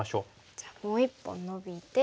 じゃあもう１本ノビて。